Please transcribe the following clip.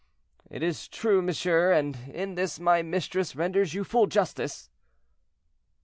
"It is true, monsieur; and in this my mistress renders you full justice."